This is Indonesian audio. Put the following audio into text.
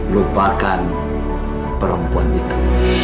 lupakan perempuan itu